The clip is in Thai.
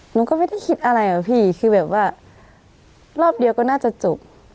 หนูก็ไม่ได้คิดอะไรอะพี่คือแบบว่ารอบเดียวก็น่าจะจบ